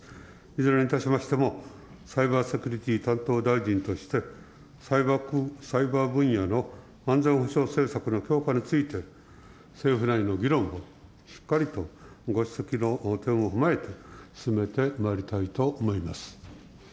いずれにいたしましても、サイバーセキュリティ担当大臣として、サイバー分野の安全保障政策の強化について、政府内の議論をしっかりとご指摘の点を踏まえて、進めてまいりたいと思います。